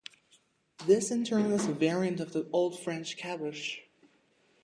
This in turn is a variant of the Old French "caboce".